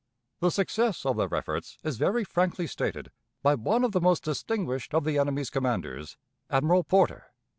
The success of their efforts is very frankly stated by one of the most distinguished of the enemy's commanders Admiral Porter.